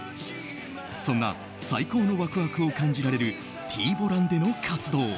そんな最高のワクワクを感じられるＴ‐ＢＯＬＡＮでの活動。